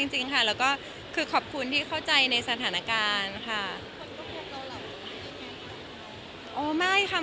จริงค่ะแล้วก็คือขอบคุณที่เข้าใจในสถานการณ์ค่ะ